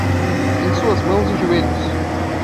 Em suas mãos e joelhos!